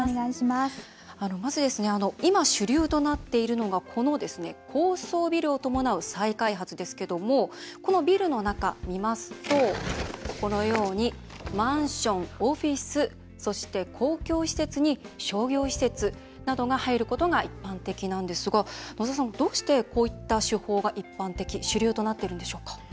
まず、今、主流となっているのが高層ビルを伴う再開発ですけれどもこのビルの中を見ますとこのようにマンション、オフィス公共施設、商業施設が入ることが一般的なんですがどうして、こうした手法が一般的、主流になっているんですか？